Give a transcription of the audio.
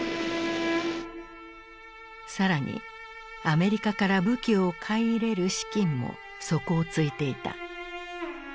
更にアメリカから武器を買い入れる資金も底をついていた。